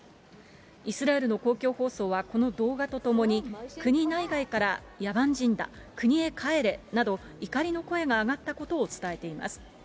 イスラエルの公共放送はこの動画とともに、国内外から、野蛮人だ、国へ帰れなど、怒りの声が上がったことを伝えています。